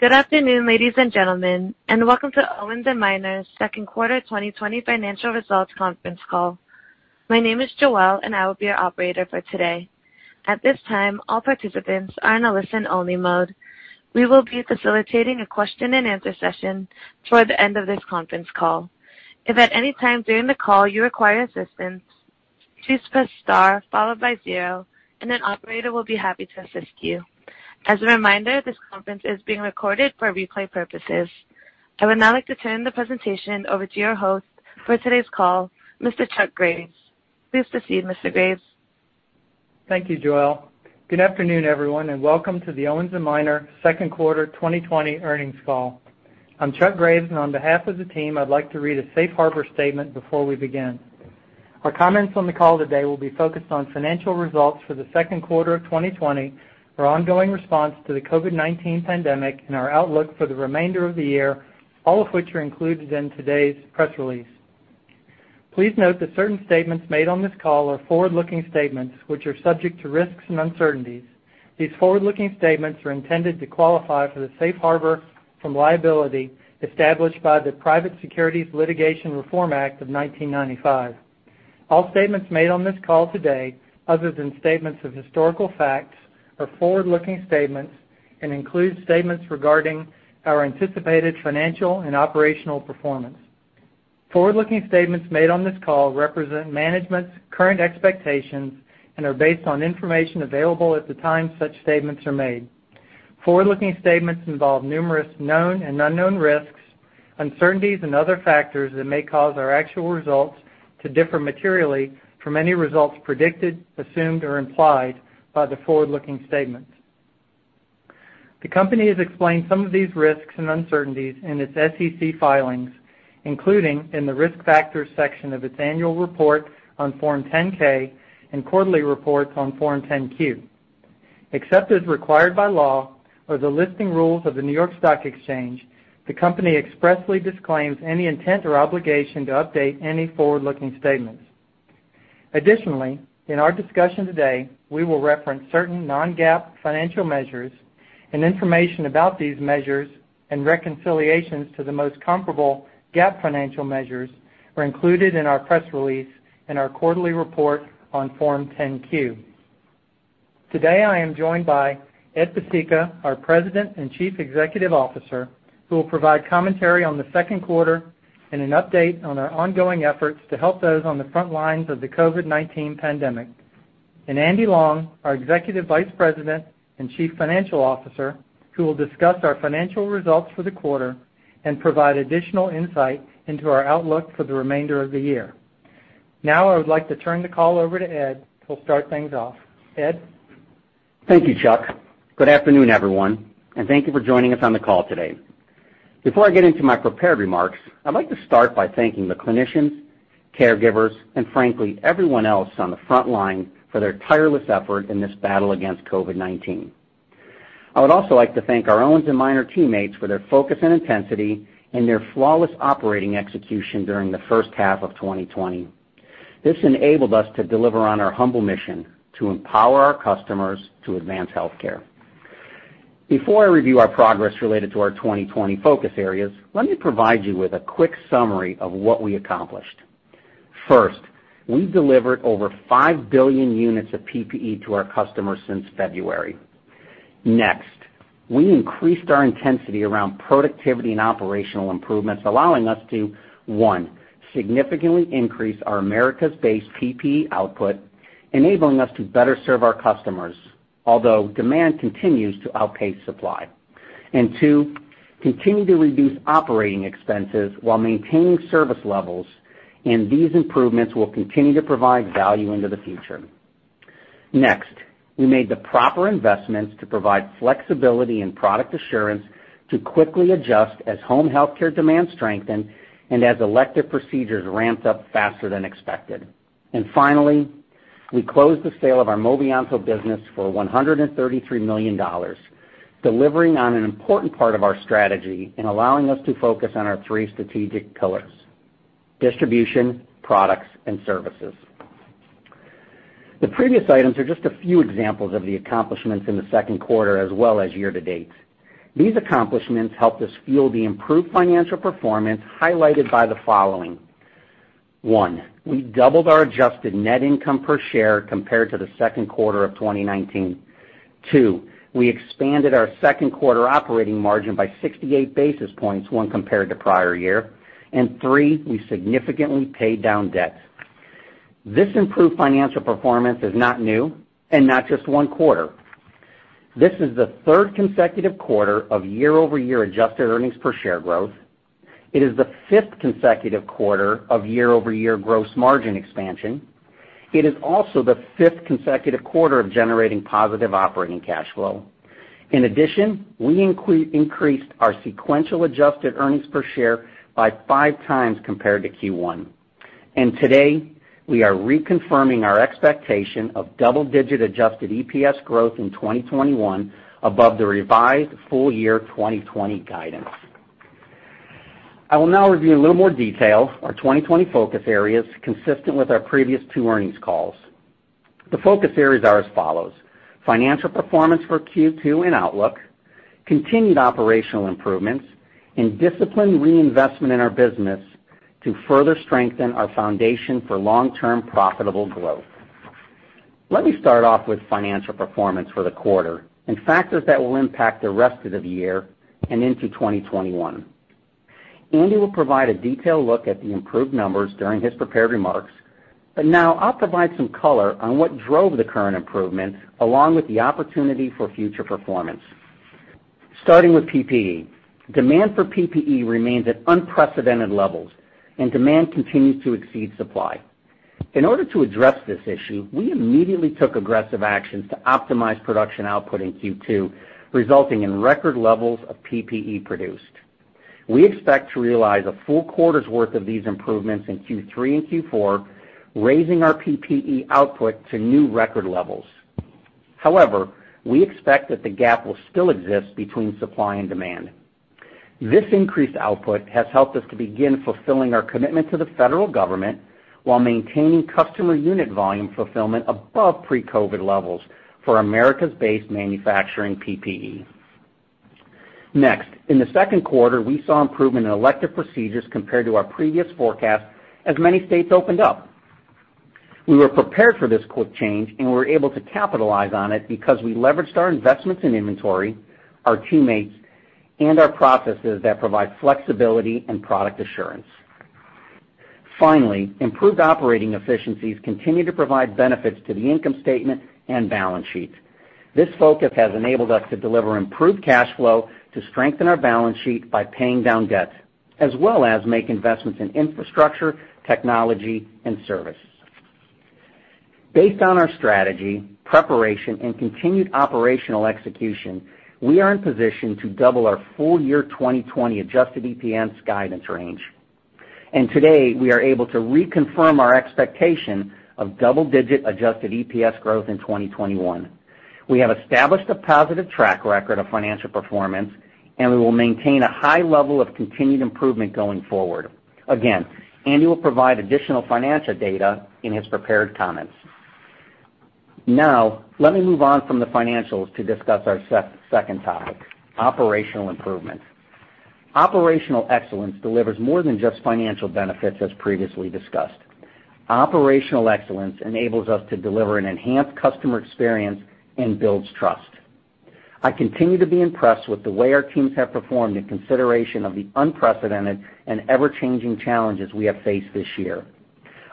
Good afternoon, ladies and gentlemen, welcome to Owens & Minor Second Quarter 2020 Financial Results Conference Call. My name is Joelle, I will be your operator for today. At this time, all participants are in a listen-only mode. We will be facilitating a question-and-answer session toward the end of this conference call. If at any time during the call you require assistance, please press star followed by zero, an operator will be happy to assist you. As a reminder, this conference is being recorded for replay purposes. I would now like to turn the presentation over to your host for today's call, Mr. Chuck Graves. Please proceed, Mr. Graves. Thank you, Joelle. Good afternoon, everyone, and welcome to the Owens & Minor second quarter 2020 earnings call. On behalf of the team, I'd like to read a safe harbor statement before we begin. Our comments on the call today will be focused on financial results for the second quarter of 2020, our ongoing response to the COVID-19 pandemic, and our outlook for the remainder of the year, all of which are included in today's press release. Please note that certain statements made on this call are forward-looking statements, which are subject to risks and uncertainties. These forward-looking statements are intended to qualify for the safe harbor from liability established by the Private Securities Litigation Reform Act of 1995. All statements made on this call today, other than statements of historical facts, are forward-looking statements and include statements regarding our anticipated financial and operational performance. Forward-looking statements made on this call represent management's current expectations and are based on information available at the time such statements are made. Forward-looking statements involve numerous known and unknown risks, uncertainties, and other factors that may cause our actual results to differ materially from any results predicted, assumed, or implied by the forward-looking statements. The Company has explained some of these risks and uncertainties in its SEC filings, including in the risk factors section of its annual report on Form 10-K and quarterly report on Form 10-Q. Except as required by law or the listing rules of the New York Stock Exchange, the Company expressly disclaims any intent or obligation to update any forward-looking statements. Additionally, in our discussion today, we will reference certain non-GAAP financial measures, and information about these measures and reconciliations to the most comparable GAAP financial measures are included in our press release and our quarterly report on Form 10-Q. Today, I am joined by Edward Pesicka, our President and Chief Executive Officer, who will provide commentary on the second quarter and an update on our ongoing efforts to help those on the front lines of the COVID-19 pandemic, and Andy Long, our Executive Vice President and Chief Financial Officer, who will discuss our financial results for the quarter and provide additional insight into our outlook for the remainder of the year. I would like to turn the call over to Ed, who'll start things off. Ed? Thank you, Chuck. Good afternoon, everyone, and thank you for joining us on the call today. Before I get into my prepared remarks, I'd like to start by thanking the clinicians, caregivers, and frankly, everyone else on the front line for their tireless effort in this battle against COVID-19. I would also like to thank our Owens & Minor teammates for their focus and intensity and their flawless operating execution during the first half of 2020. This enabled us to deliver on our humble mission to empower our customers to advance healthcare. Before I review our progress related to our 2020 focus areas, let me provide you with a quick summary of what we accomplished. First, we delivered over 5 billion units of PPE to our customers since February. We increased our intensity around productivity and operational improvements, allowing us to, one, significantly increase our Americas-based PPE output, enabling us to better serve our customers, although demand continues to outpace supply. And two, continue to reduce operating expenses while maintaining service levels, and these improvements will continue to provide value into the future. We made the proper investments to provide flexibility and product assurance to quickly adjust as home healthcare demand strengthened and as elective procedures ramped up faster than expected. Finally, we closed the sale of our Movianto business for $133 million, delivering on an important part of our strategy and allowing us to focus on our three strategic pillars, distribution, products, and services. The previous items are just a few examples of the accomplishments in the second quarter as well as year to date. These accomplishments helped us fuel the improved financial performance highlighted by the following. One, we doubled our adjusted net income per share compared to the second quarter of 2019. Two, we expanded our second quarter operating margin by 68 basis points when compared to prior year. Three, we significantly paid down debt. This improved financial performance is not new and not just one quarter. This is the third consecutive quarter of year-over-year adjusted earnings per share growth. It is the fifth consecutive quarter of year-over-year gross margin expansion. It is also the fifth consecutive quarter of generating positive operating cash flow. In addition, we increased our sequential adjusted earnings per share by 5x compared to Q1. Today, we are reconfirming our expectation of double-digit adjusted EPS growth in 2021 above the revised full year 2020 guidance. I will now review in a little more detail our 2020 focus areas consistent with our previous two earnings calls. The focus areas are as follows: financial performance for Q2 and outlook, continued operational improvements, and disciplined reinvestment in our business to further strengthen our foundation for long-term profitable growth. Let me start off with financial performance for the quarter and factors that will impact the rest of the year and into 2021. Andy will provide a detailed look at the improved numbers during his prepared remarks, but now I'll provide some color on what drove the current improvement, along with the opportunity for future performance. Starting with PPE. Demand for PPE remains at unprecedented levels, and demand continues to exceed supply. In order to address this issue, we immediately took aggressive actions to optimize production output in Q2, resulting in record levels of PPE produced. We expect to realize a full quarter's worth of these improvements in Q3 and Q4, raising our PPE output to new record levels. We expect that the gap will still exist between supply and demand. This increased output has helped us to begin fulfilling our commitment to the federal government while maintaining customer unit volume fulfillment above pre-COVID-19 levels for Americas-based manufacturing PPE. In the second quarter, we saw improvement in elective procedures compared to our previous forecast as many states opened up. We were prepared for this quick change, and we were able to capitalize on it because we leveraged our investments in inventory, our teammates, and our processes that provide flexibility and product assurance. Finally, improved operating efficiencies continue to provide benefits to the income statement and balance sheet. This focus has enabled us to deliver improved cash flow to strengthen our balance sheet by paying down debt, as well as make investments in infrastructure, technology, and service. Based on our strategy, preparation, and continued operational execution, we are in position to double our full year 2020 adjusted EPS guidance range. Today, we are able to reconfirm our expectation of double-digit adjusted EPS growth in 2021. We have established a positive track record of financial performance, and we will maintain a high level of continued improvement going forward. Again, Andy will provide additional financial data in his prepared comments. Now, let me move on from the financials to discuss our second topic, operational improvements. Operational excellence delivers more than just financial benefits, as previously discussed. Operational excellence enables us to deliver an enhanced customer experience and builds trust. I continue to be impressed with the way our teams have performed in consideration of the unprecedented and ever-changing challenges we have faced this year.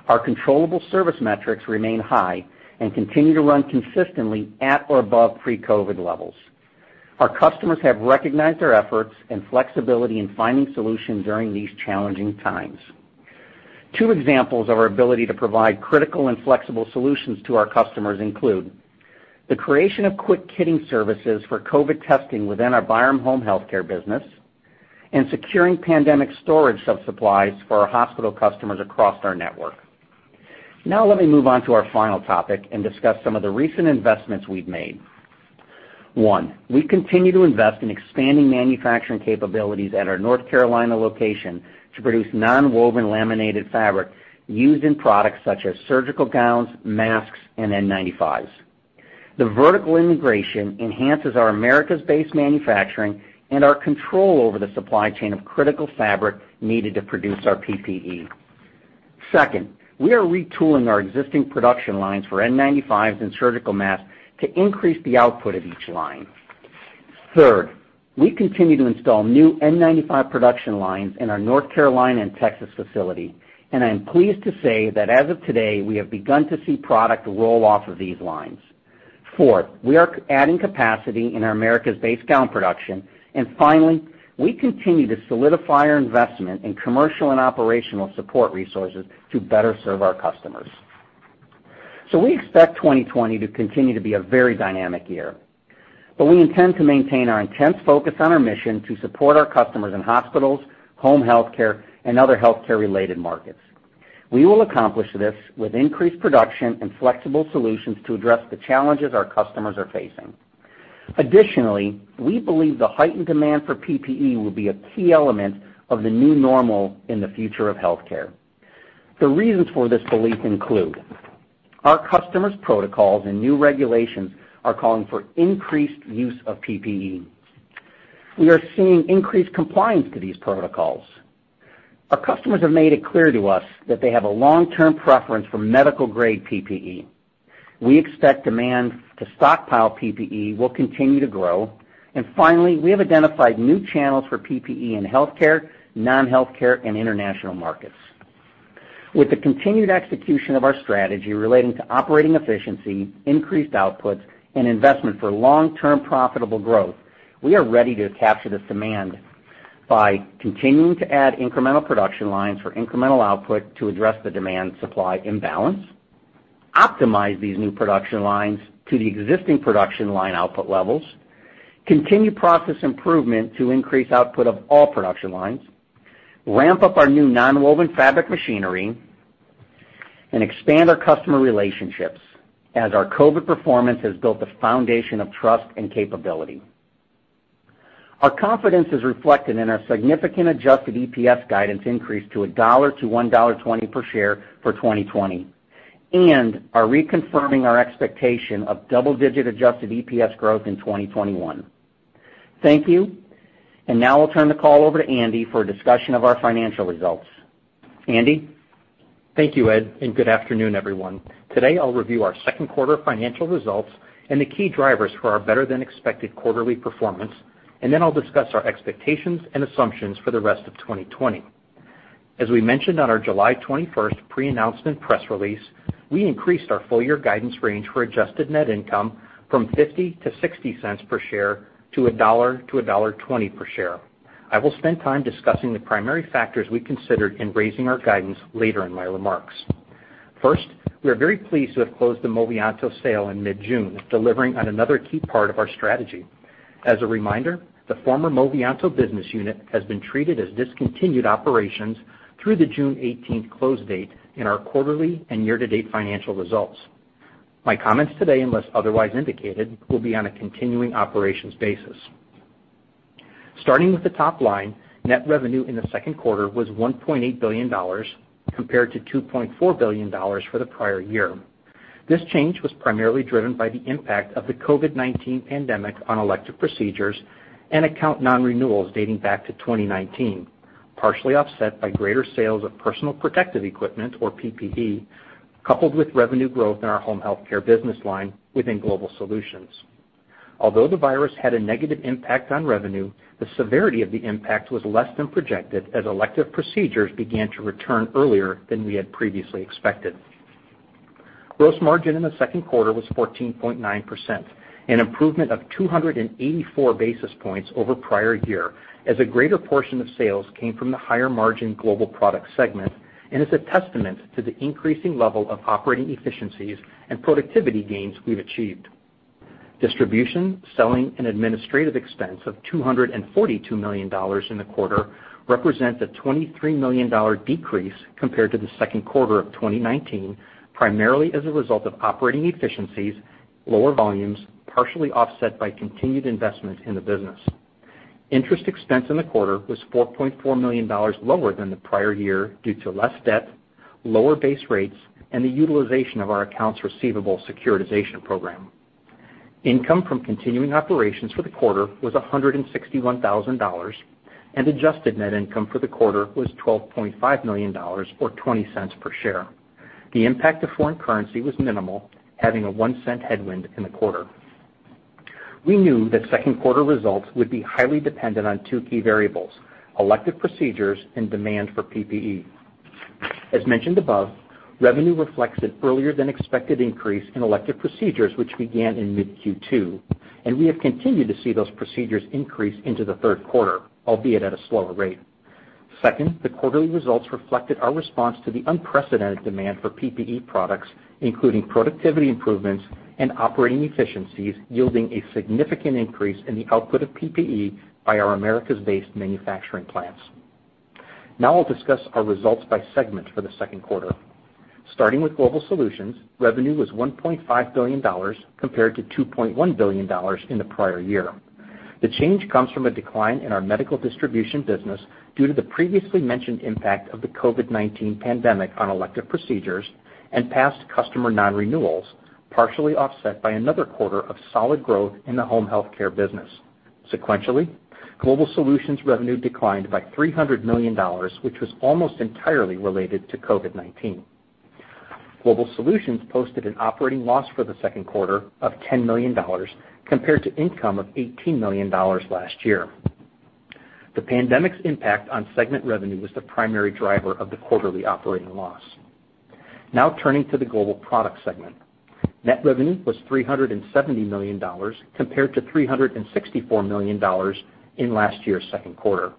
Our controllable service metrics remain high and continue to run consistently at or above pre-COVID levels. Our customers have recognized our efforts and flexibility in finding solutions during these challenging times. Two examples of our ability to provide critical and flexible solutions to our customers include the creation of quick kitting services for COVID-19 testing within our Byram Home Healthcare business and securing pandemic storage of supplies for our hospital customers across our network. Now let me move on to our final topic and discuss some of the recent investments we've made. One, we continue to invest in expanding manufacturing capabilities at our North Carolina location to produce nonwoven laminated fabric used in products such as surgical gowns, masks, and N95s. The vertical integration enhances our Americas-based manufacturing and our control over the supply chain of critical fabric needed to produce our PPE. Second, we are retooling our existing production lines for N95s and surgical masks to increase the output of each line. Third, we continue to install new N95 production lines in our North Carolina and Texas facility, and I am pleased to say that as of today, we have begun to see product roll off of these lines. Fourth, we are adding capacity in our Americas-based gown production. Finally, we continue to solidify our investment in commercial and operational support resources to better serve our customers. We expect 2020 to continue to be a very dynamic year, but we intend to maintain our intense focus on our mission to support our customers in hospitals, home healthcare, and other healthcare-related markets. We will accomplish this with increased production and flexible solutions to address the challenges our customers are facing. Additionally, we believe the heightened demand for PPE will be a key element of the new normal in the future of healthcare. The reasons for this belief include our customers' protocols and new regulations are calling for increased use of PPE. We are seeing increased compliance to these protocols. Our customers have made it clear to us that they have a long-term preference for medical-grade PPE. We expect demand to stockpile PPE will continue to grow. Finally, we have identified new channels for PPE in healthcare, non-healthcare, and international markets. With the continued execution of our strategy relating to operating efficiency, increased outputs, and investment for long-term profitable growth, we are ready to capture this demand by continuing to add incremental production lines for incremental output to address the demand-supply imbalance, optimize these new production lines to the existing production line output levels, continue process improvement to increase output of all production lines, ramp up our new nonwoven fabric machinery and expand our customer relationships as our COVID-19 performance has built a foundation of trust and capability. Our confidence is reflected in our significant adjusted EPS guidance increase to $1-$1.20 per share for 2020, and are reconfirming our expectation of double-digit adjusted EPS growth in 2021. Thank you. Now I'll turn the call over to Andy for a discussion of our financial results. Andy? Thank you, Ed. Good afternoon, everyone. Today, I'll review our second quarter financial results and the key drivers for our better-than-expected quarterly performance, and then I'll discuss our expectations and assumptions for the rest of 2020. As we mentioned on our July 21st pre-announcement press release, we increased our full year guidance range for adjusted net income from $0.50-$0.60 per share to $1.00-$1.20 per share. I will spend time discussing the primary factors we considered in raising our guidance later in my remarks. First, we are very pleased to have closed the Movianto sale in mid-June, delivering on another key part of our strategy. As a reminder, the former Movianto business unit has been treated as discontinued operations through the June 18th close date in our quarterly and year-to-date financial results. My comments today, unless otherwise indicated, will be on a continuing operations basis. Starting with the top line, net revenue in the second quarter was $1.8 billion compared to $2.4 billion for the prior year. This change was primarily driven by the impact of the COVID-19 pandemic on elective procedures and account nonrenewals dating back to 2019, partially offset by greater sales of personal protective equipment, or PPE, coupled with revenue growth in our home healthcare business line within Global Solutions. Although the virus had a negative impact on revenue, the severity of the impact was less than projected, as elective procedures began to return earlier than we had previously expected. Gross margin in the second quarter was 14.9%, an improvement of 284 basis points over prior year, as a greater portion of sales came from the higher-margin Global Products segment and is a testament to the increasing level of operating efficiencies and productivity gains we've achieved. Distribution, selling, and administrative expense of $242 million in the quarter represent a $23 million decrease compared to the second quarter of 2019, primarily as a result of operating efficiencies, lower volumes, partially offset by continued investment in the business. Interest expense in the quarter was $4.4 million lower than the prior year due to less debt, lower base rates, and the utilization of our accounts receivable securitization program. Income from continuing operations for the quarter was $161,000, and adjusted net income for the quarter was $12.5 million, or $0.20 per share. The impact of foreign currency was minimal, having a $0.01 headwind in the quarter. We knew that second quarter results would be highly dependent on two key variables, elective procedures and demand for PPE. As mentioned above, revenue reflects an earlier-than-expected increase in elective procedures, which began in mid Q2, and we have continued to see those procedures increase into the third quarter, albeit at a slower rate. Second, the quarterly results reflected our response to the unprecedented demand for PPE products, including productivity improvements and operating efficiencies, yielding a significant increase in the output of PPE by our Americas-based manufacturing plants. Now I'll discuss our results by segment for the second quarter. Starting with Global Solutions, revenue was $1.5 billion compared to $2.1 billion in the prior year. The change comes from a decline in our medical distribution business due to the previously mentioned impact of the COVID-19 pandemic on elective procedures and past customer nonrenewals, partially offset by another quarter of solid growth in the home healthcare business. Sequentially, Global Solutions revenue declined by $300 million, which was almost entirely related to COVID-19. Global Solutions posted an operating loss for the second quarter of $10 million, compared to income of $18 million last year. The pandemic's impact on segment revenue was the primary driver of the quarterly operating loss. Now turning to the Global Products segment. Net revenue was $370 million, compared to $364 million in last year's second quarter.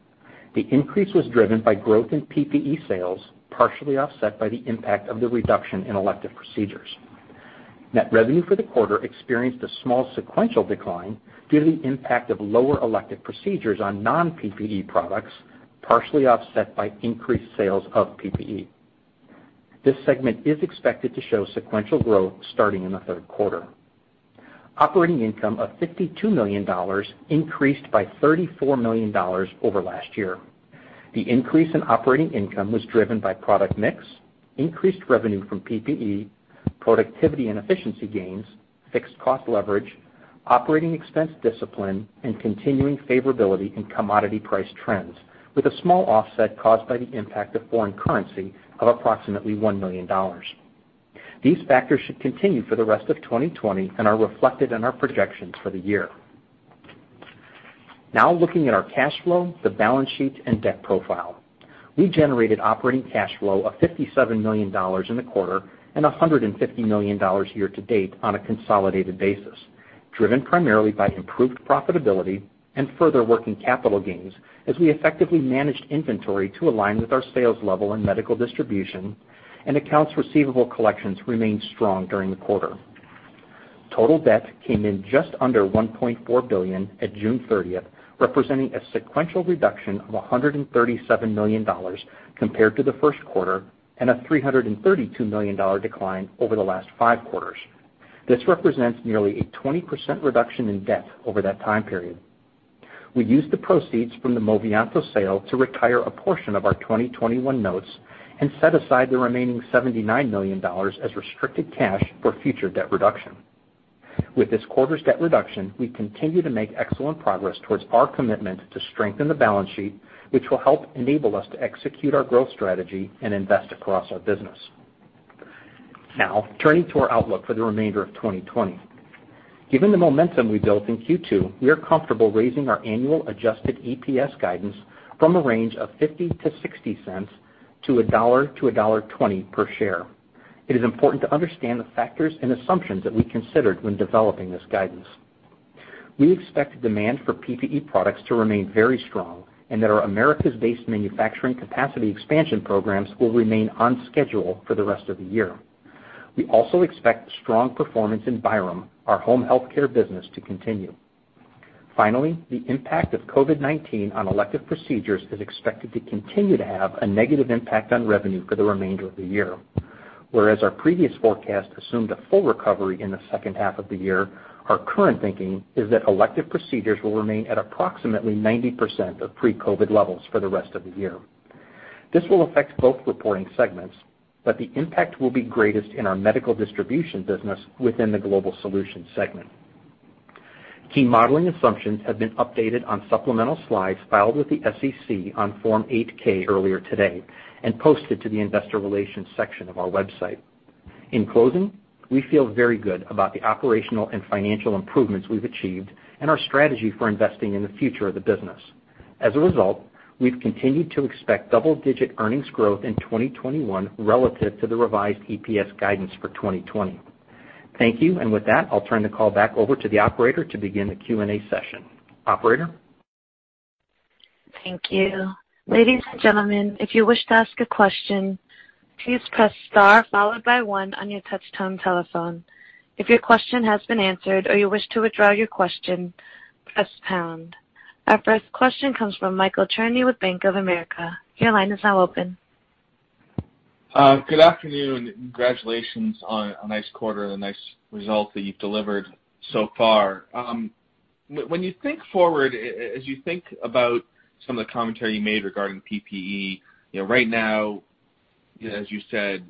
The increase was driven by growth in PPE sales, partially offset by the impact of the reduction in elective procedures. Net revenue for the quarter experienced a small sequential decline due to the impact of lower elective procedures on non-PPE products, partially offset by increased sales of PPE. This segment is expected to show sequential growth starting in the third quarter. Operating income of $52 million increased by $34 million over last year. The increase in operating income was driven by product mix, increased revenue from PPE, productivity and efficiency gains, fixed cost leverage, operating expense discipline, and continuing favorability in commodity price trends, with a small offset caused by the impact of foreign currency of approximately $1 million. These factors should continue for the rest of 2020 and are reflected in our projections for the year. Looking at our cash flow, the balance sheet, and debt profile. We generated operating cash flow of $57 million in the quarter and $150 million year to date on a consolidated basis, driven primarily by improved profitability and further working capital gains as we effectively managed inventory to align with our sales level in medical distribution and accounts receivable collections remained strong during the quarter. Total debt came in just under $1.4 billion at June 30th, representing a sequential reduction of $137 million compared to the first quarter, and a $332 million decline over the last five quarters. This represents nearly a 20% reduction in debt over that time period. We used the proceeds from the Movianto sale to retire a portion of our 2021 notes and set aside the remaining $79 million as restricted cash for future debt reduction. With this quarter's debt reduction, we continue to make excellent progress towards our commitment to strengthen the balance sheet, which will help enable us to execute our growth strategy and invest across our business. Turning to our outlook for the remainder of 2020. Given the momentum we built in Q2, we are comfortable raising our annual adjusted EPS guidance from a range of $0.50-$0.60 to $1.00-$1.20 per share. It is important to understand the factors and assumptions that we considered when developing this guidance. We expect demand for PPE products to remain very strong, and that our Americas-based manufacturing capacity expansion programs will remain on schedule for the rest of the year. We also expect strong performance in Byram, our home healthcare business, to continue. Finally, the impact of COVID-19 on elective procedures is expected to continue to have a negative impact on revenue for the remainder of the year. Whereas our previous forecast assumed a full recovery in the second half of the year, our current thinking is that elective procedures will remain at approximately 90% of pre-COVID-19 levels for the rest of the year. This will affect both reporting segments, but the impact will be greatest in our medical distribution business within the Global Solutions segment. Key modeling assumptions have been updated on supplemental slides filed with the SEC on Form 8-K earlier today and posted to the investor relations section of our website. In closing, we feel very good about the operational and financial improvements we've achieved and our strategy for investing in the future of the business. As a result, we've continued to expect double-digit earnings growth in 2021 relative to the revised EPS guidance for 2020. Thank you. With that, I'll turn the call back over to the operator to begin the Q&A session. Operator? Thank you. Ladies and gentlemen, if you wish to ask a question, please press star followed by one on your touchtone telephone. If your question has been answered or you wish to withdraw your question, press pound. Our first question comes from Michael Cherny with Bank of America. Your line is now open. Good afternoon. Congratulations on a nice quarter and nice results that you've delivered so far. When you think forward, as you think about some of the commentary you made regarding PPE, right now, as you said,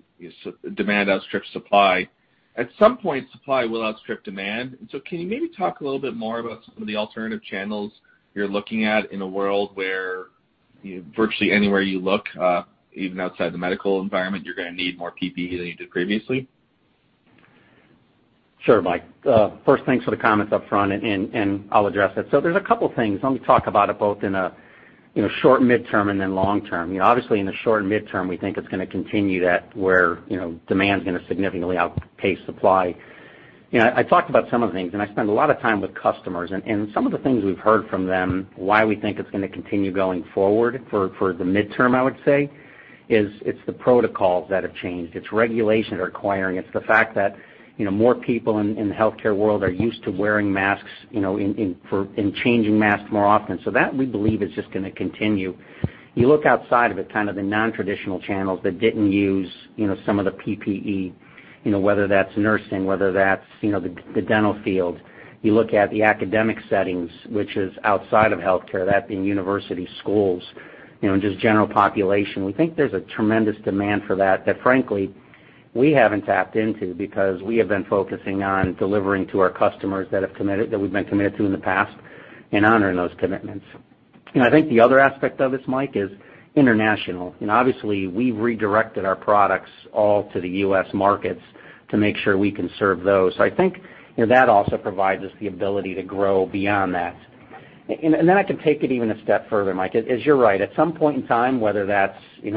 demand outstrips supply. At some point, supply will outstrip demand. Can you maybe talk a little bit more about some of the alternative channels you're looking at in a world where virtually anywhere you look, even outside the medical environment, you're going to need more PPE than you did previously? Sure, Mike. First, thanks for the comments up front, and I'll address that. There's a couple things. Let me talk about it both in a short and midterm and then long-term. Obviously, in the short and midterm, we think it's going to continue that where demand's going to significantly outpace supply. I talked about some of the things, and I spend a lot of time with customers, and some of the things we've heard from them, why we think it's going to continue going forward for the midterm, I would say, is it's the protocols that have changed. It's regulations are requiring. It's the fact that more people in the healthcare world are used to wearing masks and changing masks more often. That, we believe, is just going to continue. You look outside of it, kind of the non-traditional channels that didn't use some of the PPE, whether that's nursing, whether that's the dental field. You look at the academic settings, which is outside of healthcare, that being university schools, and just general population. We think there's a tremendous demand for that frankly, we haven't tapped into because we have been focusing on delivering to our customers that we've been committed to in the past and honoring those commitments. I think the other aspect of this, Mike, is international. Obviously, we've redirected our products all to the U.S. markets to make sure we can serve those. I think that also provides us the ability to grow beyond that. I can take it even a step further, Mike, is you're right. At some point in time, whether that's in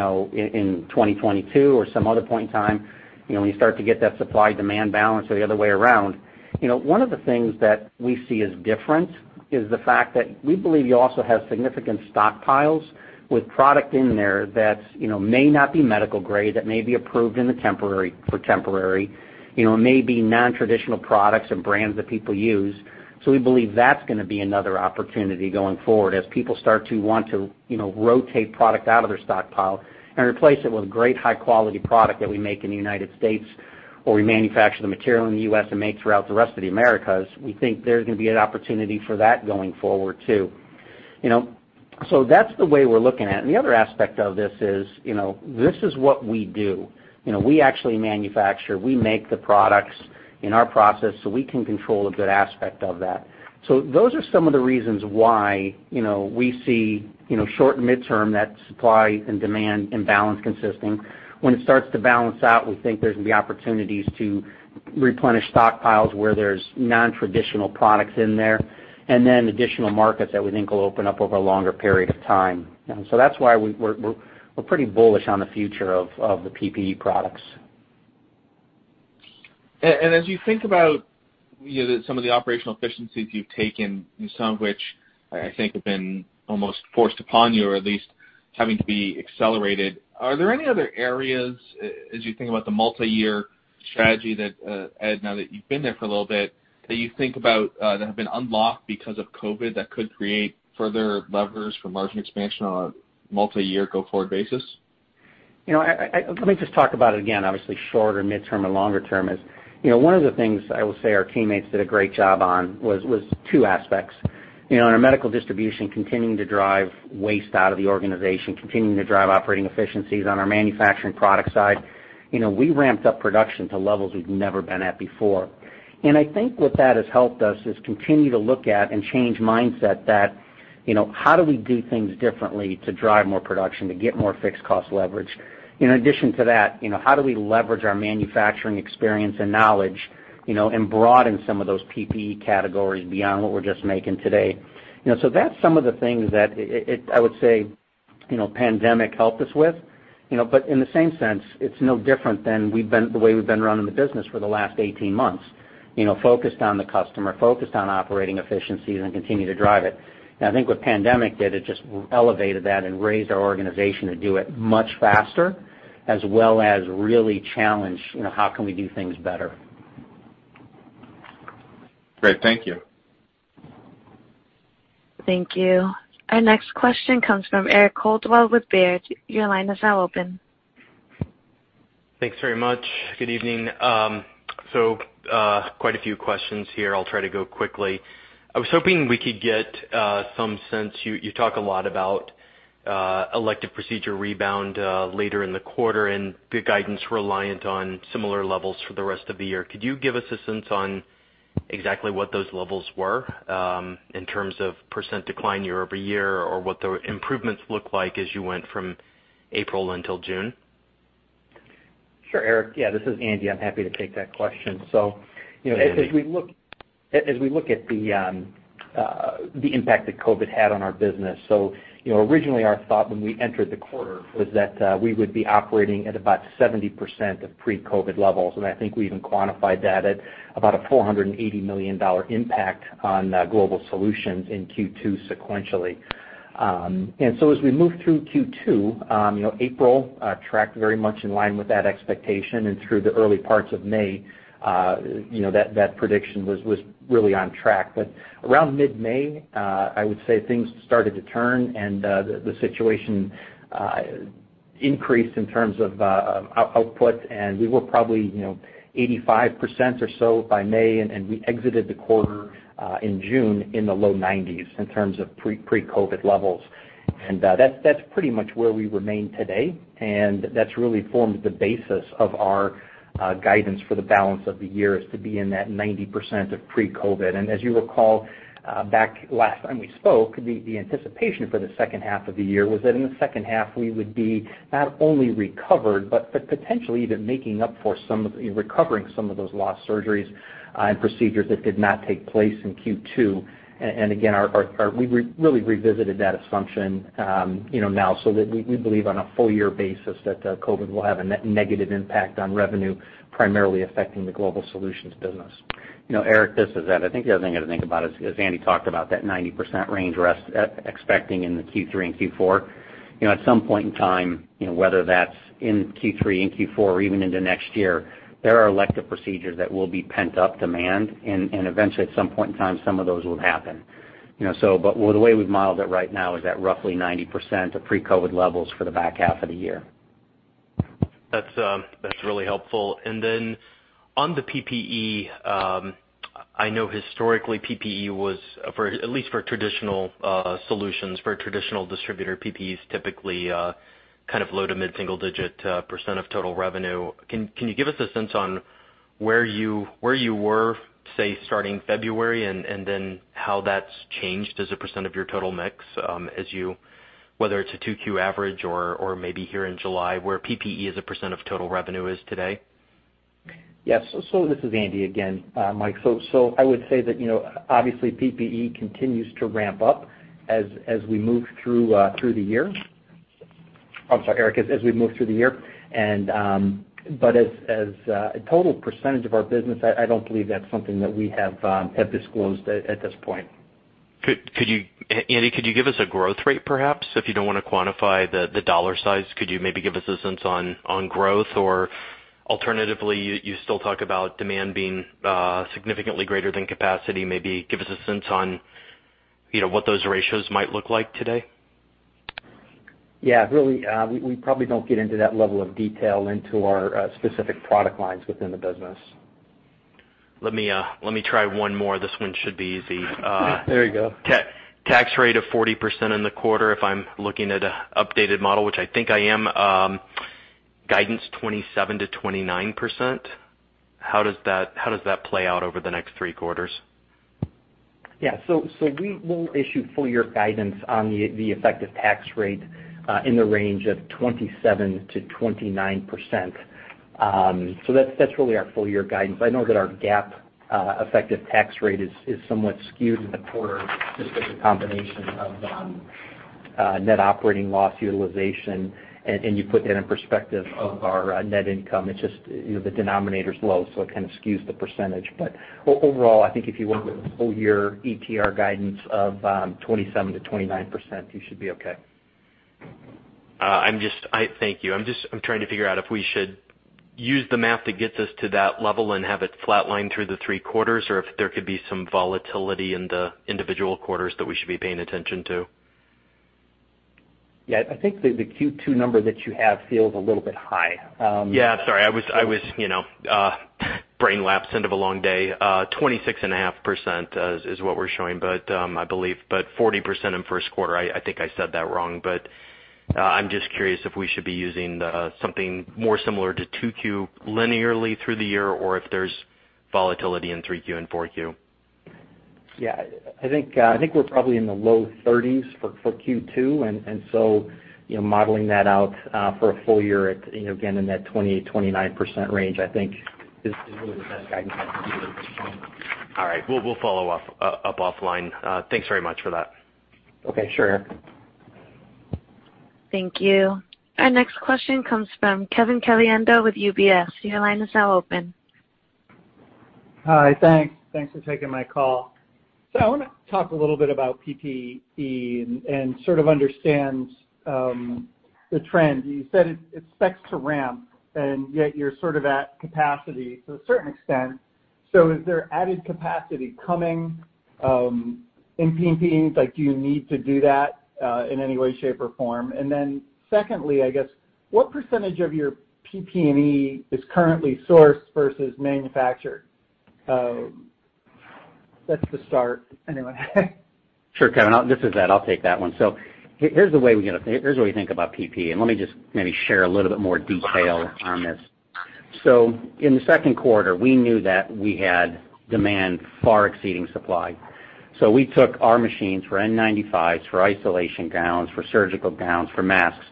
2022 or some other point in time, when you start to get that supply-demand balance or the other way around, one of the things that we see as different is the fact that we believe you also have significant stockpiles with product in there that may not be medical grade, that may be approved for temporary. It may be non-traditional products and brands that people use. We believe that's going to be another opportunity going forward as people start to want to rotate product out of their stockpile and replace it with great high-quality product that we make in the United States, where we manufacture the material in the U.S. and make throughout the rest of the Americas. We think there's going to be an opportunity for that going forward, too. That's the way we're looking at it. The other aspect of this is, this is what we do. We actually manufacture. We make the products in our process, so we can control a good aspect of that. Those are some of the reasons why we see short and midterm that supply and demand imbalance consisting. When it starts to balance out, we think there's going to be opportunities to replenish stockpiles where there's non-traditional products in there, and then additional markets that we think will open up over a longer period of time. That's why we're pretty bullish on the future of the PPE products. As you think about some of the operational efficiencies you've taken, and some of which I think have been almost forced upon you, or at least having to be accelerated, are there any other areas, as you think about the multi-year strategy, Ed, now that you've been there for a little bit, that you think about that have been unlocked because of COVID-19 that could create further levers for margin expansion on a multi-year go-forward basis? Let me just talk about it again, obviously shorter, midterm, and longer term is, one of the things I will say our teammates did a great job on was two aspects. In our medical distribution, continuing to drive waste out of the organization, continuing to drive operating efficiencies on our manufacturing product side. We ramped up production to levels we've never been at before. I think what that has helped us is continue to look at and change mindset that, how do we do things differently to drive more production, to get more fixed cost leverage? In addition to that, how do we leverage our manufacturing experience and knowledge, and broaden some of those PPE categories beyond what we're just making today? That's some of the things that I would say, pandemic helped us with. In the same sense, it's no different than the way we've been running the business for the last 18 months, focused on the customer, focused on operating efficiencies and continue to drive it. I think what pandemic did, it just elevated that and raised our organization to do it much faster, as well as really challenge how can we do things better. Great. Thank you. Thank you. Our next question comes from Eric Coldwell with Baird. Your line is now open. Thanks very much. Good evening. Quite a few questions here. I'll try to go quickly. I was hoping we could get some sense, you talk a lot about elective procedure rebound later in the quarter and the guidance reliant on similar levels for the rest of the year. Could you give us a sense on exactly what those levels were, in terms of % decline year-over-year, or what the improvements look like as you went from April until June? Sure, Eric. Yeah, this is Andy. I'm happy to take that question. Okay. As we look at the impact that COVID-19 had on our business, originally our thought when we entered the quarter was that we would be operating at about 70% of pre-COVID-19 levels, and I think we even quantified that at about a $480 million impact on Global Solutions in Q2 sequentially. As we moved through Q2, April tracked very much in line with that expectation and through the early parts of May, that prediction was really on track. Around mid-May, I would say things started to turn and the situation increased in terms of output, and we were probably 85% or so by May, and we exited the quarter in June in the low 90s in terms of pre-COVID-19 levels. That's pretty much where we remain today, and that's really formed the basis of our guidance for the balance of the year is to be in that 90% of pre-COVID-19. As you recall, back last time we spoke, the anticipation for the second half of the year was that in the second half, we would be not only recovered, but potentially even making up for some of, recovering some of those lost surgeries and procedures that did not take place in Q2. Again, we really revisited that assumption now, so that we believe on a full year basis that COVID-19 will have a negative impact on revenue, primarily affecting the Global Solutions business. Eric, this is Ed. I think the other thing I'd think about is, as Andy talked about, that 90% range we're expecting in the Q3 and Q4. At some point in time, whether that's in Q3, in Q4, or even into next year, there are elective procedures that will be pent-up demand, and eventually at some point in time, some of those will happen. The way we've modeled it right now is at roughly 90% of pre-COVID-19 levels for the back half of the year. That's really helpful. Then on the PPE, I know historically PPE was, at least for traditional solutions, for a traditional distributor, PPE is typically low to mid-single digit % of total revenue. Can you give us a sense on where you were, say, starting February, and then how that's changed as a percent of your total mix, whether it's a 2Q average or maybe here in July, where PPE as a percent of total revenue is today? Yes. This is Andy again, Mike. I would say that, obviously PPE continues to ramp up as we move through the year. I'm sorry, Eric, as we move through the year. As a total percentage of our business, I don't believe that's something that we have disclosed at this point. Andy, could you give us a growth rate, perhaps? If you don't want to quantify the dollar size, could you maybe give us a sense on growth or alternatively, you still talk about demand being significantly greater than capacity. Maybe give us a sense on what those ratios might look like today? Really, we probably don't get into that level of detail into our specific product lines within the business. Let me try one more. This one should be easy. There you go. Tax rate of 40% in the quarter, if I'm looking at an updated model, which I think I am. Guidance 27%-29%. How does that play out over the next three quarters? Yeah. We will issue full year guidance on the effective tax rate, in the range of 27%-29%. That's really our full year guidance. I know that our GAAP effective tax rate is somewhat skewed in the quarter just as a combination of net operating loss utilization, and you put that in perspective of our net income, it's just the denominator's low, so it kind of skews the percentage. Overall, I think if you went with the full year ETR guidance of 27%-29%, you should be okay. Thank you. I'm trying to figure out if we should use the math that gets us to that level and have it flatline through the three quarters, or if there could be some volatility in the individual quarters that we should be paying attention to. Yeah. I think the Q2 number that you have feels a little bit high. Yeah. Sorry. Brain lapse, end of a long day. 26.5% is what we're showing, but 40% in first quarter, I think I said that wrong. I'm just curious if we should be using something more similar to 2Q linearly through the year or if there's volatility in 3Q and 4Q. Yeah. I think we're probably in the low 30s for Q2 and so modeling that out for a full year at, again, in that 28%-29% range, I think is really the best guidance I can give at this point. All right. We'll follow up offline. Thanks very much for that. Okay. Sure. Thank you. Our next question comes from Kevin Caliendo with UBS. Your line is now open. Hi. Thanks for taking my call. I want to talk a little bit about PPE and sort of understand the trend. You said it specs to ramp, yet you're sort of at capacity to a certain extent. Is there added capacity coming in PPE? Do you need to do that in any way, shape, or form? Secondly, I guess, what percentage of your PPE is currently sourced versus manufactured? That's the start, anyway. Sure, Kevin. This is Ed, I'll take that one. Here's the way we think about PPE, and let me just maybe share a little bit more detail on this. In the second quarter, we knew that we had demand far exceeding supply. We took our machines for N95s, for isolation gowns, for surgical gowns, for masks,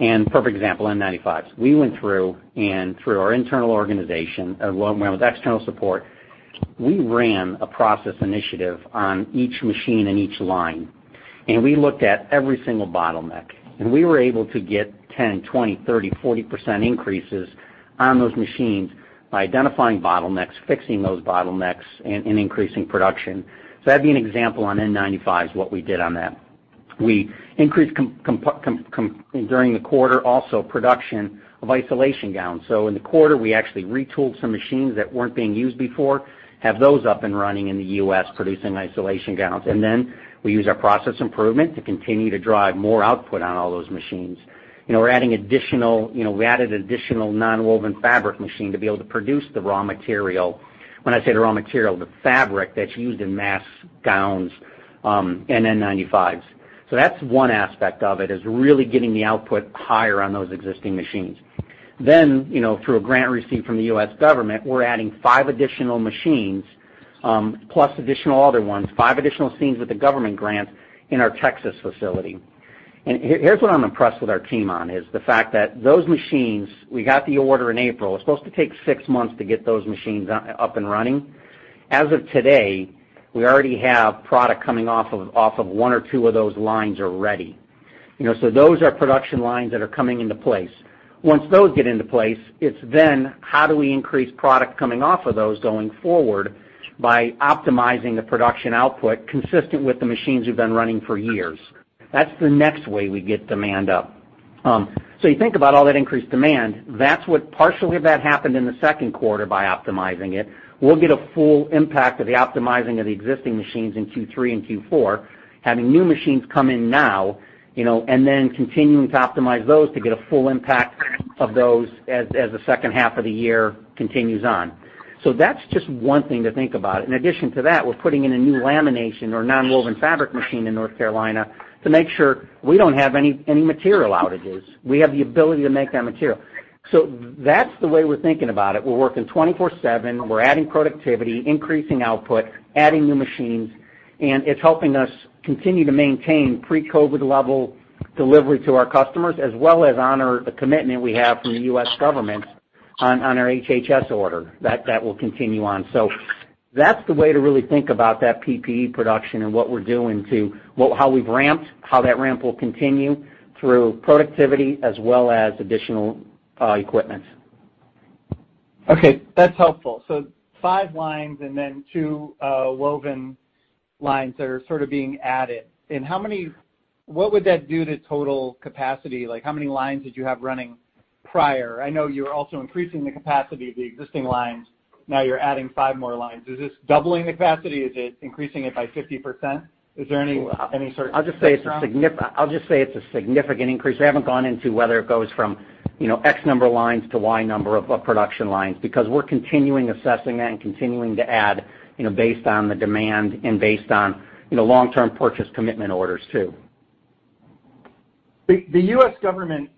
and perfect example, N95s. We went through and through our internal organization, along with external support, we ran a process initiative on each machine and each line, and we looked at every single bottleneck, and we were able to get 10%, 20%, 30%, 40% increases on those machines by identifying bottlenecks, fixing those bottlenecks, and increasing production. That'd be an example on N95s, what we did on that. We increased, during the quarter, also production of isolation gowns. In the quarter, we actually retooled some machines that weren't being used before, have those up and running in the U.S. producing isolation gowns. We used our process improvement to continue to drive more output on all those machines. We added additional nonwoven fabric machine to be able to produce the raw material. When I say the raw material, the fabric that's used in masks, gowns, and N95s. That's one aspect of it, is really getting the output higher on those existing machines. Through a grant received from the U.S. government, we're adding five additional machines, plus additional other ones, five additional machines with the government grant in our Texas facility. Here's what I'm impressed with our team on, is the fact that those machines, we got the order in April. It's supposed to take six months to get those machines up and running. As of today, we already have product coming off of one or two of those lines already. Those are production lines that are coming into place. Once those get into place, it's then how do we increase product coming off of those going forward by optimizing the production output consistent with the machines we've been running for years. That's the next way we get demand up. You think about all that increased demand. Partially that happened in the second quarter by optimizing it. We'll get a full impact of the optimizing of the existing machines in Q3 and Q4, having new machines come in now, and then continuing to optimize those to get a full impact of those as the second half of the year continues on. That's just one thing to think about. In addition to that, we're putting in a new lamination or nonwoven fabric machine in North Carolina to make sure we don't have any material outages. We have the ability to make that material. That's the way we're thinking about it. We're working 24/7, we're adding productivity, increasing output, adding new machines, and it's helping us continue to maintain pre-COVID-19 level delivery to our customers, as well as honor a commitment we have from the U.S. government on our HHS order. That will continue on. That's the way to really think about that PPE production, how we've ramped, how that ramp will continue through productivity as well as additional equipment. Okay. That's helpful. Five lines and then two woven lines that are sort of being added. What would that do to total capacity? How many lines did you have running prior? I know you were also increasing the capacity of the existing lines. Now you're adding five more lines. Is this doubling the capacity? Is it increasing it by 50%? Is there any sort of spectrum? I'll just say it's a significant increase. We haven't gone into whether it goes from X number lines to Y number of production lines, because we're continuing assessing that and continuing to add based on the demand and based on long-term purchase commitment orders, too. The U.S. government,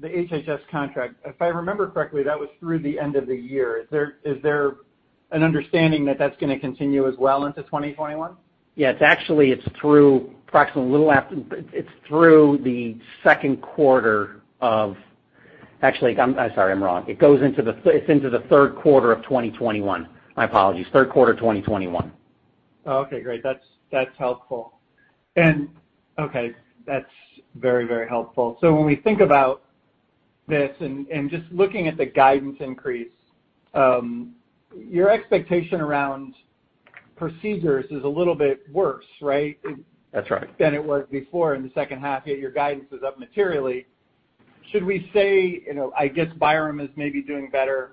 the HHS contract, if I remember correctly, that was through the end of the year. Is there an understanding that that's going to continue as well into 2021? Yeah, it's through the second quarter. Actually, I'm sorry, I'm wrong. It's into the third quarter of 2021. My apologies. Third quarter 2021. Okay, great. That's helpful. Okay, that's very helpful. When we think about this and just looking at the guidance increase, your expectation around procedures is a little bit worse, right? That's right. Than it was before in the second half, yet your guidance is up materially. Should we say, I guess Byram is maybe doing better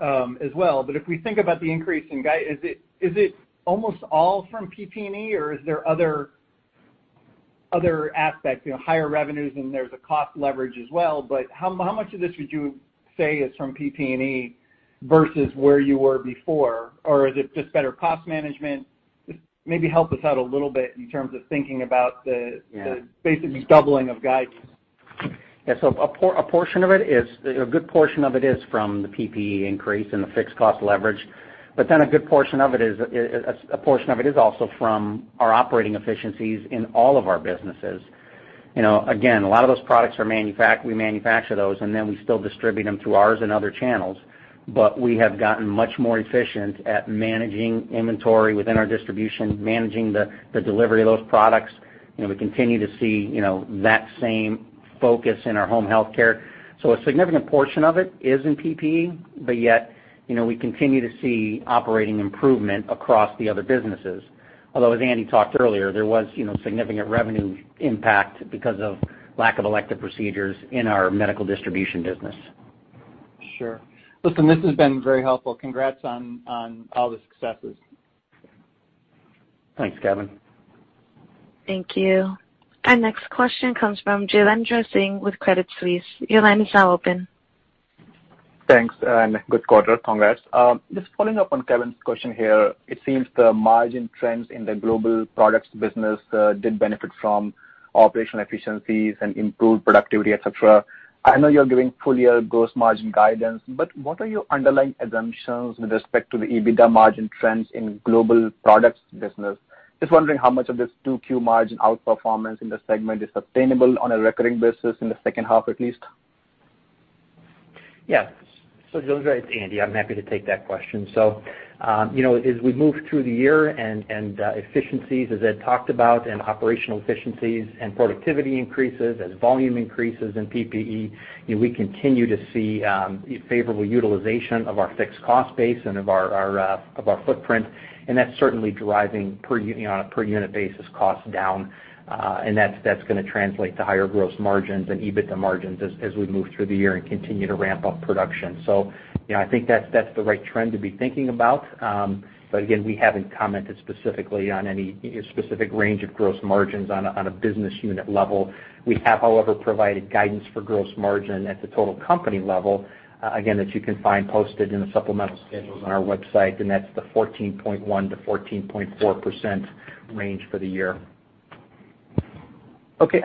as well, if we think about the increase in guide, is it almost all from PPE, or is there other aspects, higher revenues, and there's a cost leverage as well, how much of this would you say is from PPE versus where you were before? Is it just better cost management? Yeah. Basic doubling of guidance. A good portion of it is from the PPE increase and the fixed cost leverage. A portion of it is also from our operating efficiencies in all of our businesses. Again, a lot of those products, we manufacture those, and then we still distribute them through ours and other channels. We have gotten much more efficient at managing inventory within our distribution, managing the delivery of those products. We continue to see that same focus in our home healthcare. A significant portion of it is in PPE, but yet, we continue to see operating improvement across the other businesses. Although, as Andy talked earlier, there was significant revenue impact because of lack of elective procedures in our medical distribution business. Sure. Listen, this has been very helpful. Congrats on all the successes. Thanks, Kevin. Thank you. Our next question comes from Jailendra Singh with Credit Suisse. Your line is now open. Thanks, and good quarter. Congrats. Just following up on Kevin's question here, it seems the margin trends in the Global Products business did benefit from operational efficiencies and improved productivity, et cetera. I know you're giving full-year gross margin guidance, but what are your underlying assumptions with respect to the EBITDA margin trends in Global Products business? Just wondering how much of this 2Q margin outperformance in this segment is sustainable on a recurring basis, in the second half at least. Yeah. Jailendra, it's Andy. I'm happy to take that question. As we move through the year and efficiencies, as Ed talked about, and operational efficiencies and productivity increases, as volume increases in PPE, we continue to see favorable utilization of our fixed cost base and of our footprint, and that's certainly driving, on a per unit basis, cost down. That's going to translate to higher gross margins and EBITDA margins as we move through the year and continue to ramp up production. I think that's the right trend to be thinking about. Again, we haven't commented specifically on any specific range of gross margins on a business unit level. We have, however, provided guidance for gross margin at the total company level, again, that you can find posted in the supplemental schedules on our website, and that's the 14.1%-14.4% range for the year. Okay.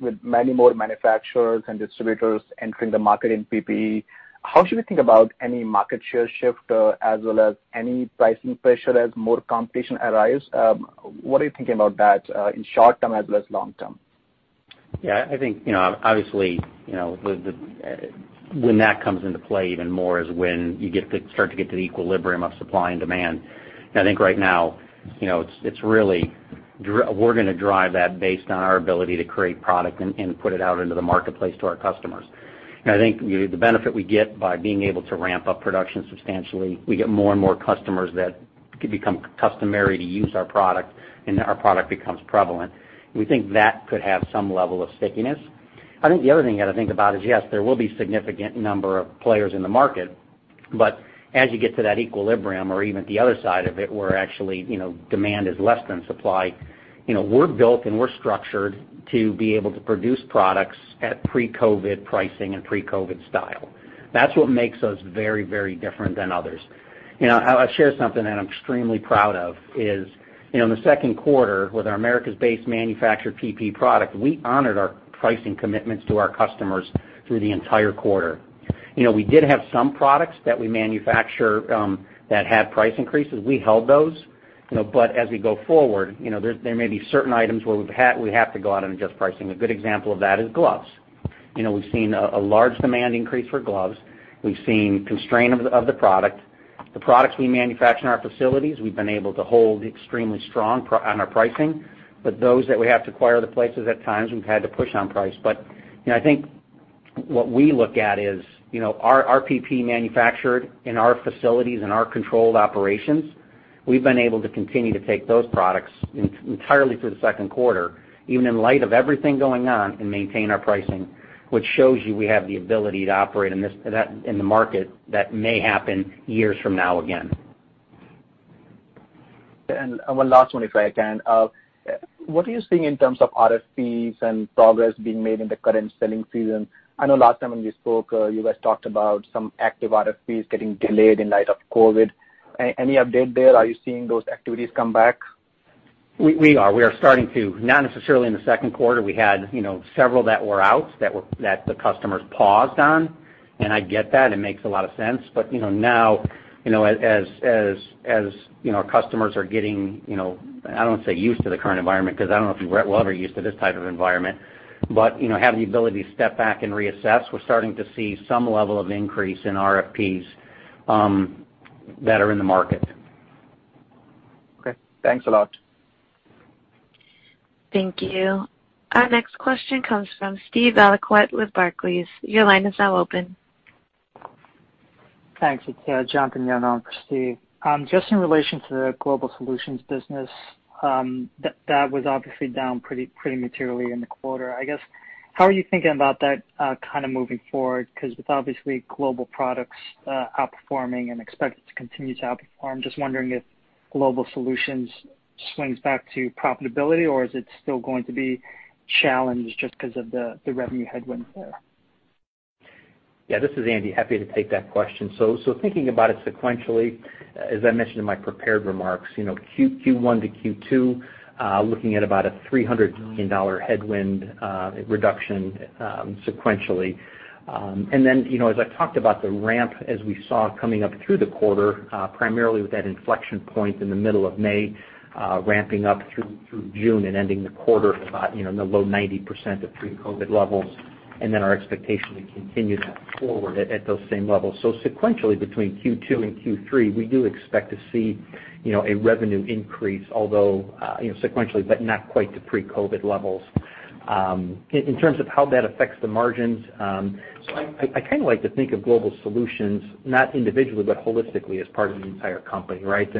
With many more manufacturers and distributors entering the market in PPE, how should we think about any market share shift, as well as any pricing pressure as more competition arrives? What are you thinking about that, in short term as well as long term? Yeah, I think, obviously, when that comes into play even more is when you start to get to the equilibrium of supply and demand. I think right now, we're going to drive that based on our ability to create product and put it out into the marketplace to our customers. I think the benefit we get by being able to ramp up production substantially, we get more and more customers that could become customary to use our product, and our product becomes prevalent. We think that could have some level of stickiness. I think the other thing you got to think about is, yes, there will be significant number of players in the market, but as you get to that equilibrium or even at the other side of it, where actually demand is less than supply, we're built and we're structured to be able to produce products at pre-COVID-19 pricing and pre-COVID-19 style. That's what makes us very different than others. I'll share something that I'm extremely proud of is, in the second quarter with our Americas-based manufactured PPE product, we honored our pricing commitments to our customers through the entire quarter. We did have some products that we manufacture that had price increases. We held those. As we go forward, there may be certain items where we have to go out and adjust pricing. A good example of that is gloves. We've seen a large demand increase for gloves. We've seen constraint of the product. The products we manufacture in our facilities, we've been able to hold extremely strong on our pricing. Those that we have to acquire other places, at times, we've had to push on price. I think what we look at is, our PPE manufactured in our facilities, in our controlled operations, we've been able to continue to take those products entirely through the second quarter, even in light of everything going on, and maintain our pricing, which shows you we have the ability to operate in the market that may happen years from now again. One last one, if I can. What are you seeing in terms of RFPs and progress being made in the current selling season? I know last time when we spoke, you guys talked about some active RFPs getting delayed in light of COVID-19. Any update there? Are you seeing those activities come back? Not necessarily in the second quarter. We had several that were out that the customers paused on. I get that, it makes a lot of sense. Now, as our customers are getting, I don't want to say used to the current environment, because I don't know if we'll ever get used to this type of environment, but have the ability to step back and reassess, we're starting to see some level of increase in RFPs that are in the market. Okay. Thanks a lot. Thank you. Our next question comes from Steve Valiquette with Barclays. Your line is now open. Thanks. It's John [Pinheiro], not Steve. Just in relation to the Global Solutions business, that was obviously down pretty materially in the quarter. I guess, how are you thinking about that kind of moving forward? Because with, obviously, Global Products outperforming and expected to continue to outperform, just wondering if Global Solutions swings back to profitability, or is it still going to be challenged just because of the revenue headwind there? Yeah, this is Andy. Happy to take that question. Thinking about it sequentially, as I mentioned in my prepared remarks, Q1 to Q2, looking at about a $300 million headwind reduction sequentially. As I talked about the ramp as we saw coming up through the quarter, primarily with that inflection point in the middle of May, ramping up through June and ending the quarter in the low 90% of pre-COVID levels, and then our expectation to continue that forward at those same levels. Sequentially, between Q2 and Q3, we do expect to see a revenue increase, although sequentially, but not quite to pre-COVID-19 levels. In terms of how that affects the margins, so I kind of like to think of Global Solutions, not individually, but holistically as part of the entire company, right?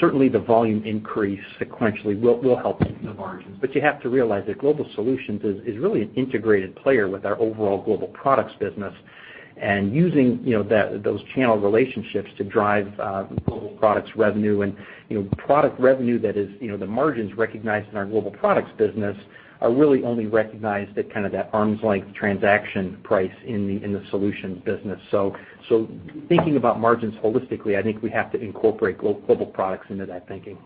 Certainly, the volume increase sequentially will help the margins. You have to realize that Global Solutions is really an integrated player with our overall Global Products business, and using those channel relationships to drive Global Products revenue, and product revenue that is the margins recognized in our Global Products business are really only recognized at kind of that arm's length transaction price in the solutions business. Thinking about margins holistically, I think we have to incorporate Global Products into that thinking.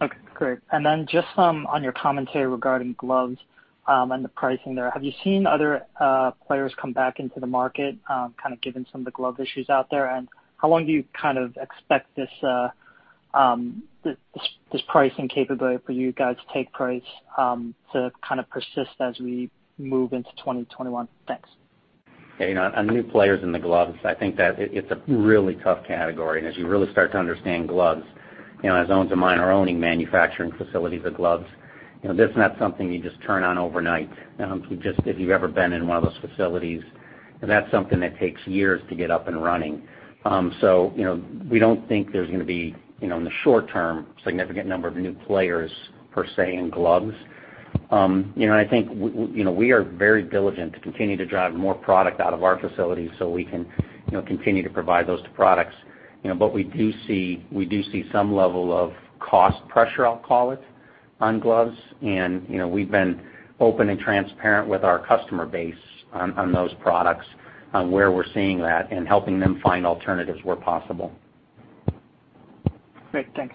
Okay, great. Then just some on your commentary regarding gloves and the pricing there. Have you seen other players come back into the market, kind of given some of the glove issues out there? How long do you kind of expect this pricing capability for you guys to take price to kind of persist as we move into 2021? Thanks. On new players in the gloves, I think that it's a really tough category. As you really start to understand gloves, as Owens & Minor-owning manufacturing facilities of gloves, that's not something you just turn on overnight. If you've ever been in one of those facilities, that's something that takes years to get up and running. We don't think there's going to be, in the short term, significant number of new players per se in gloves. I think we are very diligent to continue to drive more product out of our facilities so we can continue to provide those to products. We do see some level of cost pressure, I'll call it, on gloves, and we've been open and transparent with our customer base on those products, on where we're seeing that and helping them find alternatives where possible. Great. Thanks.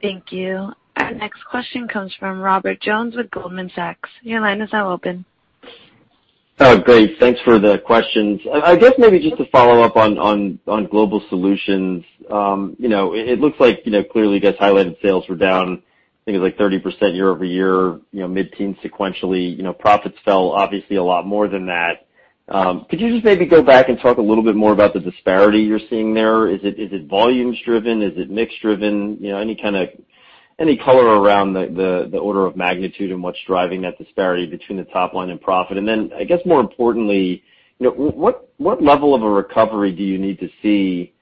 Thank you. Our next question comes from Robert Jones with Goldman Sachs. Your line is now open. Oh, great. Thanks for the questions. I guess maybe just to follow up on Global Solutions. It looks like, clearly you guys highlighted sales were down, I think it was like 30% year-over-year, mid-teen sequentially. Profits fell obviously a lot more than that. Could you just maybe go back and talk a little bit more about the disparity you're seeing there? Is it volumes driven? Is it mix driven? Any color around the order of magnitude and what's driving that disparity between the top line and profit? Then I guess more importantly, what level of a recovery do you need to see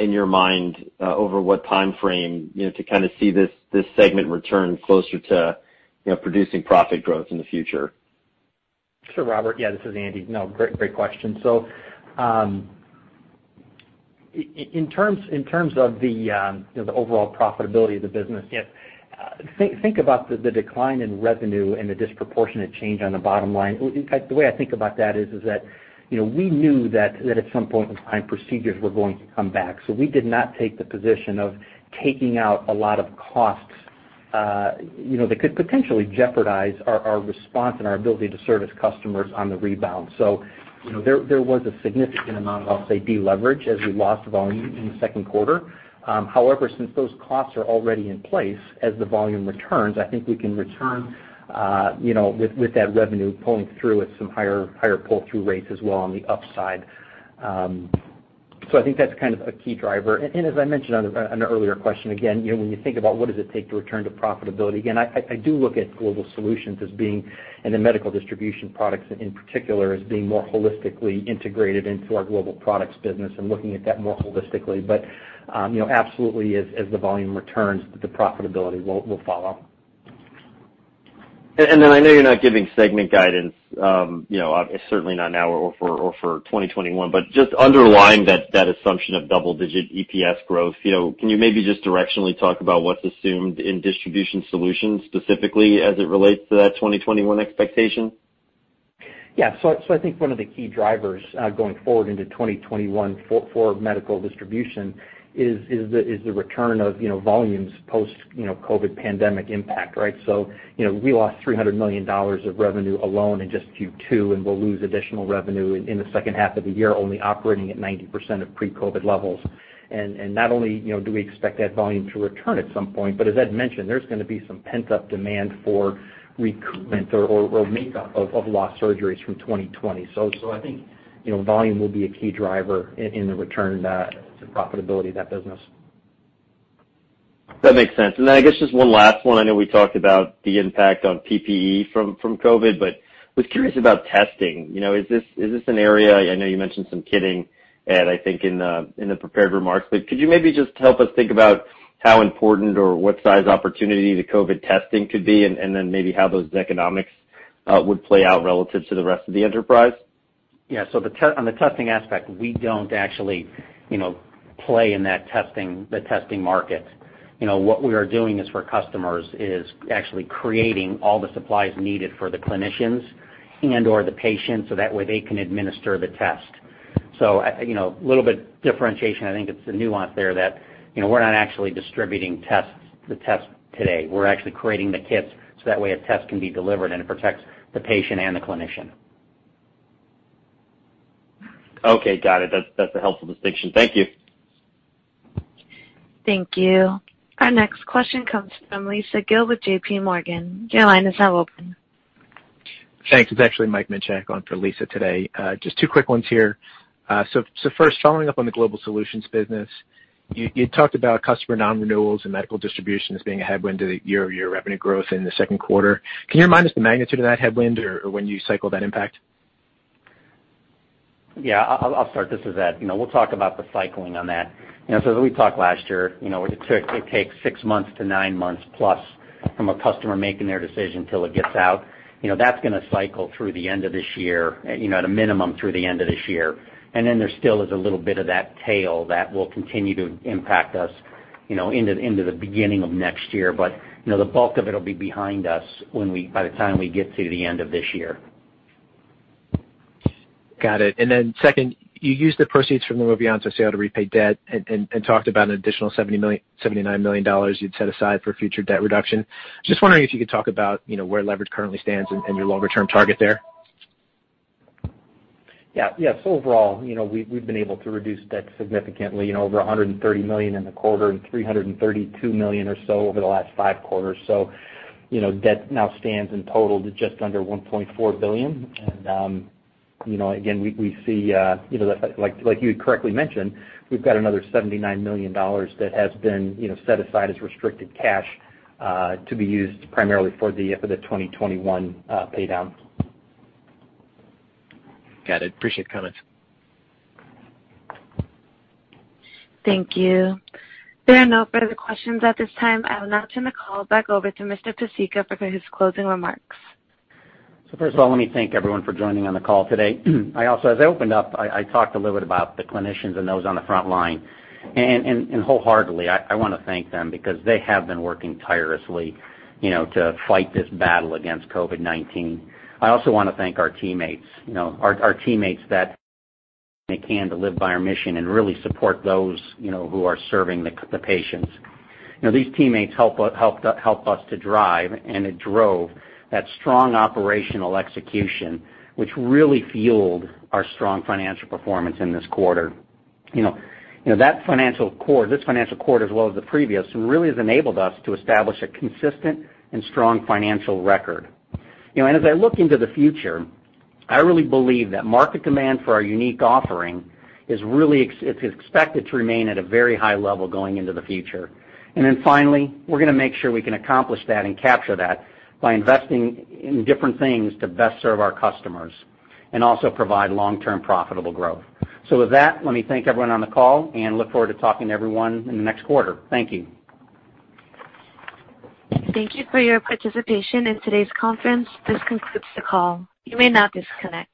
in your mind, over what timeframe, to kind of see this segment return closer to producing profit growth in the future? Sure, Robert. This is Andy. Great question. In terms of the overall profitability of the business, think about the decline in revenue and the disproportionate change on the bottom line. In fact, the way I think about that is that we knew that at some point in time, procedures were going to come back. We did not take the position of taking out a lot of costs that could potentially jeopardize our response and our ability to service customers on the rebound. There was a significant amount of, I'll say, de-leverage as we lost volume in the second quarter. However, since those costs are already in place as the volume returns, I think we can return with that revenue pulling through at some higher pull-through rates as well on the upside. I think that's kind of a key driver. As I mentioned on an earlier question, again, when you think about what does it take to return to profitability, again, I do look at Global Solutions as being, and the medical distribution products in particular, as being more holistically integrated into our Global Products business and looking at that more holistically. Absolutely, as the volume returns, the profitability will follow. I know you're not giving segment guidance, certainly not now or for 2021, but just underlying that assumption of double-digit EPS growth, can you maybe just directionally talk about what's assumed in Distribution Solutions specifically as it relates to that 2021 expectation? I think one of the key drivers, going forward into 2021 for medical distribution is the return of volumes post COVID-19 pandemic impact, right? We lost $300 million of revenue alone in just Q2, and we'll lose additional revenue in the second half of the year, only operating at 90% of pre-COVID-19 levels. Not only do we expect that volume to return at some point, but as Ed mentioned, there's going to be some pent-up demand for recoupment or make-up of lost surgeries from 2020. I think volume will be a key driver in the return to profitability of that business. That makes sense. I guess just one last one, I know we talked about the impact on PPE from COVID-19, but was curious about testing. Is this an area, I know you mentioned some kitting, Ed, I think in the prepared remarks, but could you maybe just help us think about how important or what size opportunity the COVID-19 testing could be, and then maybe how those economics would play out relative to the rest of the enterprise? Yeah. On the testing aspect, we don't actually play in the testing market. What we are doing is for customers is actually creating all the supplies needed for the clinicians and/or the patients, so that way they can administer the test. A little bit differentiation, I think it's the nuance there that we're not actually distributing the test today. We're actually creating the kits so that way a test can be delivered and it protects the patient and the clinician. Okay, got it. That's a helpful distinction. Thank you. Thank you. Our next question comes from Lisa Gill with JPMorgan. Your line is now open. Thanks. It's actually Mike Minchak on for Lisa today. Just two quick ones here. First, following up on the Global Solutions business, you talked about customer non-renewals and medical distribution as being a headwind to the year-over-year revenue growth in the second quarter. Can you remind us the magnitude of that headwind or when you cycle that impact? Yeah. I'll start this as Ed. We'll talk about the cycling on that. As we talked last year, it takes six months to nine months plus from a customer making their decision till it gets out. That's going to cycle through the end of this year, at a minimum through the end of this year. There still is a little bit of that tail that will continue to impact us into the beginning of next year. The bulk of it will be behind us by the time we get to the end of this year. Got it. Second, you used the proceeds from the Movianto sale to repay debt and talked about an additional $79 million you'd set aside for future debt reduction. Wondering if you could talk about where leverage currently stands and your longer-term target there. Yeah. Overall, we've been able to reduce debt significantly, over $130 million in the quarter and $332 million or so over the last five quarters. Debt now stands in total to just under $1.4 billion. Again, like you had correctly mentioned, we've got another $79 million that has been set aside as restricted cash to be used primarily for the 2021 pay down. Got it. Appreciate the comments. Thank you. There are no further questions at this time. I will now turn the call back over to Mr. Pesicka for his closing remarks. First of all, let me thank everyone for joining on the call today. As I opened up, I talked a little bit about the clinicians and those on the front line, and wholeheartedly, I want to thank them because they have been working tirelessly to fight this battle against COVID-19. I also want to thank our teammates. Our teammates that they can to live by our mission and really support those who are serving the patients. These teammates help us to drive, and it drove that strong operational execution, which really fueled our strong financial performance in this quarter. This financial quarter as well as the previous really has enabled us to establish a consistent and strong financial record. As I look into the future, I really believe that market demand for our unique offering is expected to remain at a very high level going into the future. Finally, we're going to make sure we can accomplish that and capture that by investing in different things to best serve our customers and also provide long-term profitable growth. With that, let me thank everyone on the call and look forward to talking to everyone in the next quarter. Thank you. Thank you for your participation in today's conference. This concludes the call. You may now disconnect.